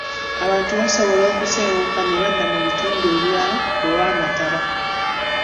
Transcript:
Abantu basobola okusenguka ne badda mu bitundu ebirala olw'amataba.